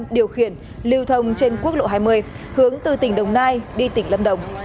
điều khiển lưu thông trên quốc lộ hai mươi hướng từ tỉnh đồng nai đi tỉnh lâm đồng